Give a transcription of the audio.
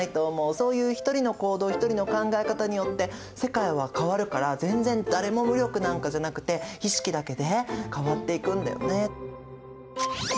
そういう一人の行動一人の考え方によって世界は変わるから全然誰も無力なんかじゃなくて意識だけで変わっていくんだよね。